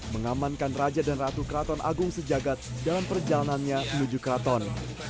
mengamankan raja dan ratu keraton agung sejagat dalam perjalanannya menuju keraton